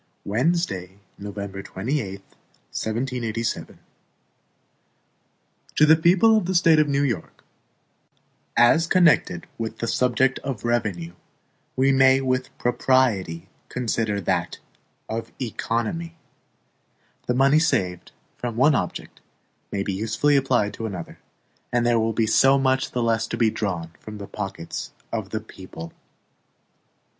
Wednesday, November 28, 1787 HAMILTON To the People of the State of New York: As CONNECTED with the subject of revenue, we may with propriety consider that of economy. The money saved from one object may be usefully applied to another, and there will be so much the less to be drawn from the pockets of the people.